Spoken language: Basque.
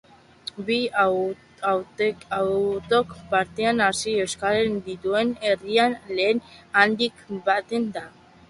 Bi hautagaiek parte hartzea eskatu diete herritarrei, lehia handia bait da.